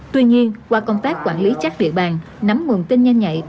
tuy nhiên qua công tác quản lý chắc địa bàn nắm nguồn tin nhanh nhạy